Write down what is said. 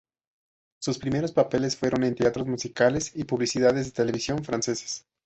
Sus primeros papeles fueron en teatros musicales y publicidades de televisión franceses.